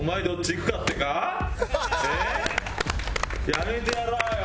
やめてやらあよ！